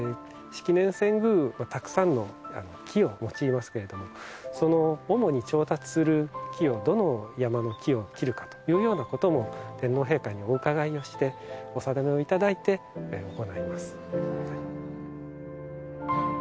式年遷宮はたくさんの木を用いますけれどもその主に調達する木をどの山の木を切るかというようなことも天皇陛下にお伺いをしてお定めをいただいて行います。